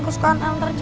kesukaan el tercuci